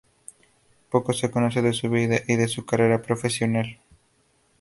Poco se conoce de su vida y de su carrera profesional.